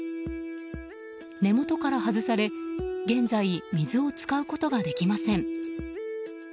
根元から外され現在、水を使うことができません。